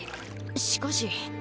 しかし。